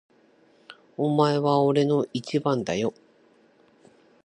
お前は俺の一番だよ。